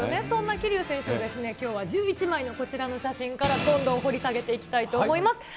そんな桐生選手をですね、きょうは１１枚の写真からどんどん掘り下げていきたいと思います。